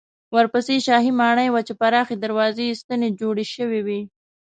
ورپسې شاهي ماڼۍ وه چې پراخې دروازې یې ستنې جوړې شوې وې.